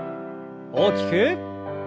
大きく。